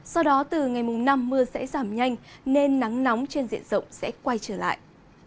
sau đó từ ngày mùng năm mưa sẽ giảm nhanh nên nắng nóng trên diện rộng sẽ quay trở lại